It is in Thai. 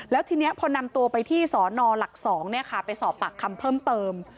แล้วทีนี้พอนำตัวไปที่สนหลัก๒ไปสอบปากคำเพิ่มเติม